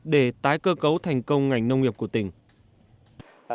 để tái cơ cấu thành công ngành nông nghiệp của tỉnh